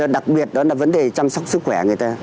đặc biệt đó là vấn đề chăm sóc sức khỏe người ta